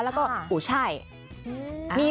แล้วก็อุ้ยใช่